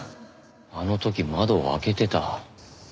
あの時窓を開けてた。